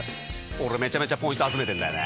俺めちゃめちゃポイント集めてんだよね。